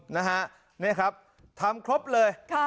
เนี่ยครับทำครบเลย